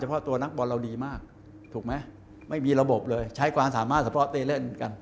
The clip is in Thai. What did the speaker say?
เพราะตัวนักบอลเราดีมากถูกไหมไม่มีระบบเลยใช้ความสามารถเฉพาะเต้เล่นกัน